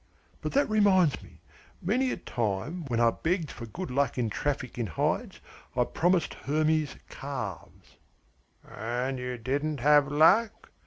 ... But that reminds me. Many a time when I begged for good luck in traffic in hides, I promised Hermes calves " "And you didn't have luck?"